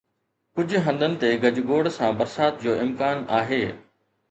ڪجهه هنڌن تي گجگوڙ سان برسات جو امڪان آهي